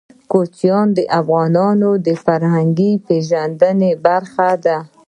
کوچیان د افغانانو د فرهنګي پیژندنې برخه ده.